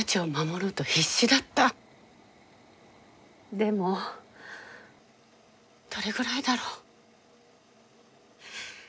でもどれぐらいだろう